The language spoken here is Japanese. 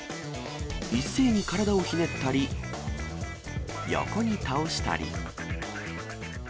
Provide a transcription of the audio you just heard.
一斉に体をひねったり、横に倒したり。